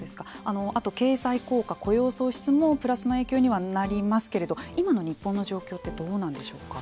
あと経済効果雇用創出もプラスの影響にはなりますけれども今の日本の状況ってどうなんでしょうか。